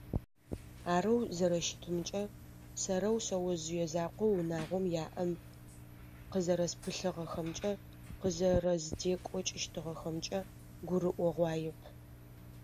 Арэу зэрэщытымкӏэ, сэрэу шъэожъые закъоу унагъом яӏэм къызэрэспылъыгъэхэмрэ къызэрэздекӏокӏыщтыгъэхэмрэ гурыӏогъуаеп.